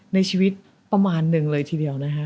ในชีวิตประมาณหนึ่งเลยทีเดียวนะฮะ